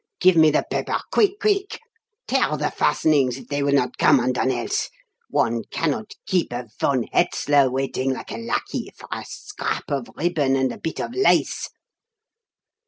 Give me the paper quick! quick! Tear the fastenings, if they will not come undone else. One cannot keep a von Hetzler waiting like a lackey for a scrap of ribbon and a bit of lace."